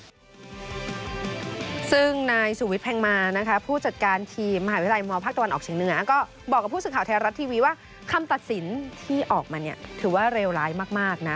ซึ่งนายสุวิทยแพงมานะคะผู้จัดการทีมมหาวิทยาลัยมภาคตะวันออกเฉียงเหนือก็บอกกับผู้สื่อข่าวไทยรัฐทีวีว่าคำตัดสินที่ออกมาเนี่ยถือว่าเลวร้ายมากนะ